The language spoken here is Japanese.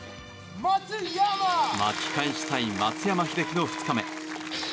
巻き返したい松山英樹の２日目。